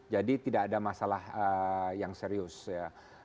jadi tidak ada masalah yang serius ya